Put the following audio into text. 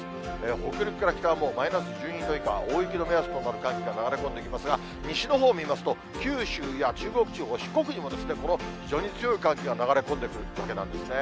北陸から北はもうマイナス１２度以下、大雪の目安となる寒気が流れ込んできますが、西のほう見ますと、九州や中国地方、四国にも、この非常に強い寒気が流れ込んでくるわけなんですね。